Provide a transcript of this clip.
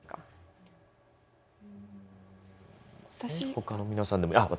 ほかの皆さんあっ